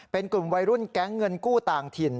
เป็นกลุ่มวัยรุ่นแก๊งเงินกู้ต่างถิ่น